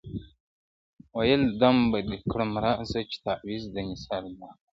ویل دم به دي کړم راسه چي تعویذ د نثار در کړم,